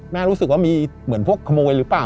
รู้สึกว่ามีเหมือนพวกขโมยหรือเปล่า